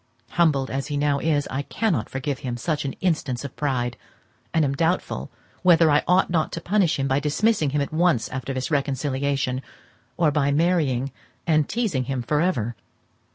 Humbled as he now is, I cannot forgive him such an instance of pride, and am doubtful whether I ought not to punish him by dismissing him at once after this reconciliation, or by marrying and teazing him for ever.